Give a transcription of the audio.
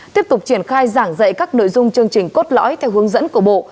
tiếp tục triển khai giảng dạy các nội dung chương trình cốt lõi theo hướng dẫn của bộ